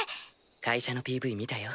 会社のＰＶ見たよ。